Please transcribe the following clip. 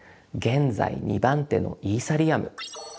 現在２番手のイーサリアム。